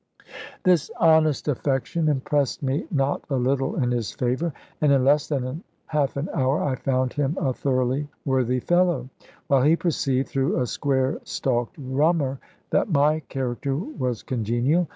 This honest affection impressed me not a little in his favour, and in less than half an hour I found him a thoroughly worthy fellow: while he perceived, through a square stalked rummer, that my character was congenial.